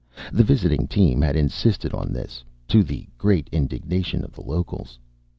The visiting team had in sisted on this, to the great indig nation of the locals.